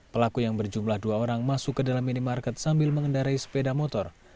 pelaku yang berjumlah dua orang masuk ke dalam minimarket sambil mengendarai sepeda motor